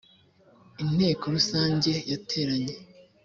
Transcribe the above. inteko rusange yateranye